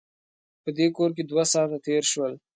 په دې کور کې دوه ساعته تېر شول.